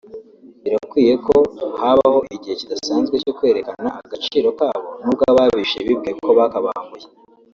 Birakwiye ko habaho igihe kidasanzwe cyo kwerekana agaciro kabo n’ubwo ababishe bibwiye ko bakabambuye”